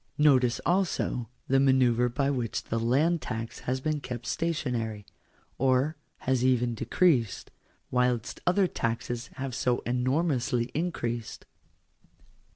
Notice also the manoeuvre by which the land tax has been kept stationary, or has even decreased, whilst other taxes have so enormously increased.